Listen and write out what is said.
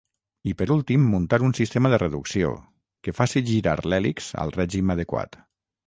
I per últim muntar un sistema de reducció, que faci girar l'hèlix al règim adequat.